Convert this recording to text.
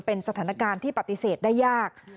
เป็นสถานการณ์ที่ปฏิเสธได้ยาก